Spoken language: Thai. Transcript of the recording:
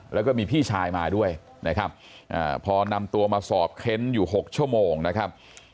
แล้วก็มีพี่ชายมาด้วยนะครับพอนำตัวมาสอบเค้นอยู่๖ชั่วโมงนะครับ